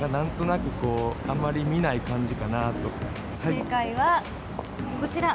正解はこちら。